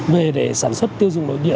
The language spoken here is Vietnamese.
về để sản xuất tiêu dùng nội địa